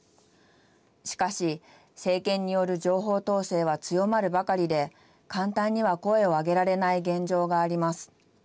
しかし、政権による情報統制は強まるばかりで簡単には声を上げられない現状があります。